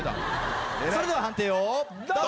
それでは判定をどうぞ！